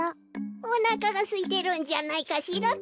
おなかがすいてるんじゃないかしらべ。